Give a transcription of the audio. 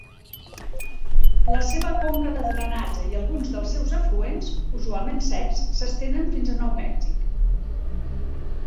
La seva conca de drenatge i alguns dels seus afluents, usualment secs, s'estenen fins a Nou Mèxic.